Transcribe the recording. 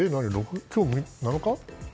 今日、７日？